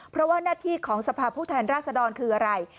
เพราะว่าหน้าที่ของสภาพผู้แทนราษดรคืออะไร